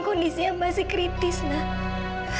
kondisinya masih kritis nah